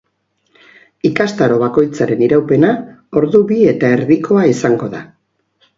Ikastaro bakoitzaren iraupena ordu bi eta erdikoa izango da.